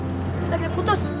kita kayak putus